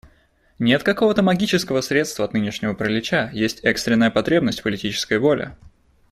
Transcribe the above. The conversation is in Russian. Нет какого-то магического средства от нынешнего паралича, есть экстренная потребность в политической воле.